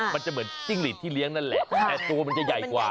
มันจะเหมือนจิ้งหลีดที่เลี้ยงนั่นแหละแต่ตัวมันจะใหญ่กว่า